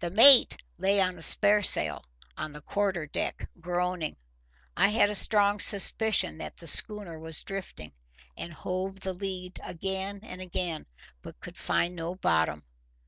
The mate lay on a sparesail on the quarter deck, groaning. I had a strong suspicion that the schooner was drifting, and hove the lead again and again, but could find no bottom.